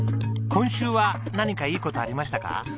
今週は何かいい事ありましたか？